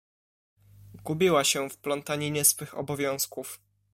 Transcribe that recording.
Gubiła się w plątaninie swych obowiązków.